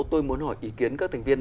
tôi muốn hỏi ý kiến